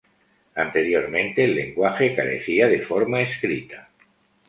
Anteriormente el lenguaje carecía de forma escrita.